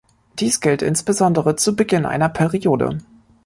Dies gilt insbesondere zu Beginn einer Periode.